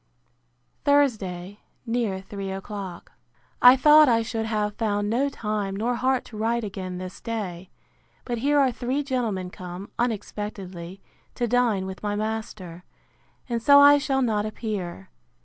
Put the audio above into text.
Thursday, near three o'clock. I thought I should have found no time nor heart to write again this day. But here are three gentlemen come, unexpectedly, to dine with my master; and so I shall not appear.